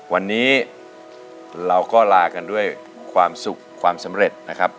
วันนี้เราก็ลากันด้วยความสุขความสำเร็จนะครับ